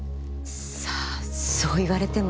さあそう言われても。